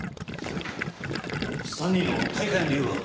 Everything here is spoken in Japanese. ３人の退会の理由は？